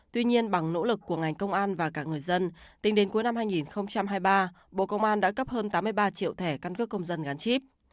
tuy nhiên bằng nỗ lực của ngành công an và cả người dân tính đến cuối năm hai nghìn hai mươi ba bộ công an đã cấp hơn tám mươi ba triệu thẻ căn cước công dân gắn chip